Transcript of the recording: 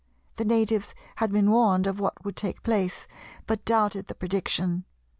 The natives had been warned of what would take place, but doubted the prediction.